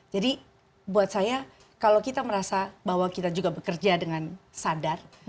jadi buat saya kalau kita merasa bahwa kita juga bekerja dengan sadar